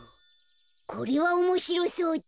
これはおもしろそうだ。